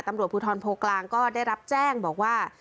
ตำรวจภูทรโพกลางก็ได้รับแจ้งบอกว่า